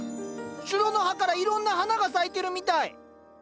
シュロの葉からいろんな花が咲いてるみたい！